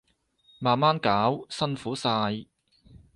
慢慢搞，辛苦晒